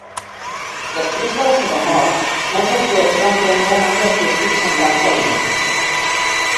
Després de la seva mort, molts actors van prendre noms artístics semblants a Lee.